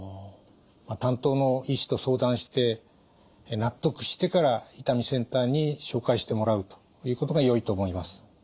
担当の医師と相談して納得してから痛みセンターに紹介してもらうということがよいと思います。